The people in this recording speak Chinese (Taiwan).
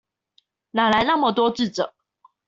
哪來那麼多智者